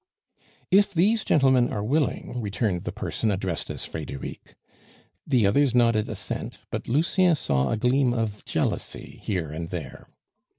"If these gentlemen are willing," returned the person addressed as Frederic. The others nodded assent, but Lucien saw a gleam of jealousy here and there.